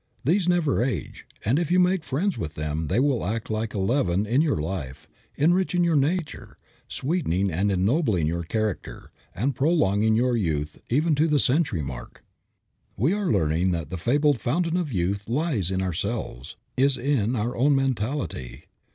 These never age, and if you make friends with them they will act like a leaven in your life, enriching your nature, sweetening and ennobling your character, and prolonging your youth even to the century mark. We are learning that the fabled fountain of youth lies in ourselves; is in our own mentality.